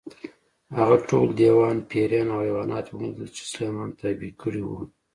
هغه ټول دیوان، پېریان او حیوانات مې ولیدل چې سلیمان تابع کړي وو.